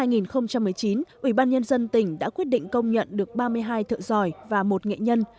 năm hai nghìn một mươi chín ủy ban nhân dân tỉnh đã quyết định công nhận được ba mươi hai thợ giỏi và một nghệ nhân